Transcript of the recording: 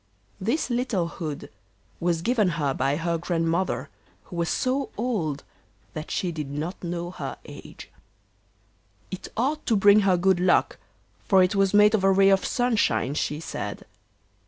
This little hood was given her by her Grandmother, who was so old that she did not know her age; it ought to bring her good luck, for it was made of a ray of sunshine, she said.